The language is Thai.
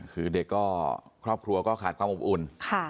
คือเด็กก็ครอบครัวก็ขาดความอบอุ่น